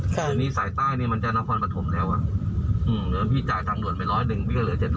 ค่ะอันนี้สายใต้นี่มันจะนอนพรปฐมแล้วอ่ะอืมแล้วพี่จ่ายตังรวรไปร้อยดึงพี่ก็เหลือเจ็ดร้อย